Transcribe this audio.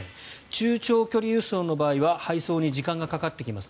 中長距離輸送の場合は配送に時間がかかってきます。